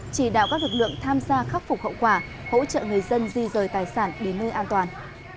chỉ đạo các lực lượng tham gia khắc phục hậu quả hỗ trợ người dân di rời tài sản đến nơi an toàn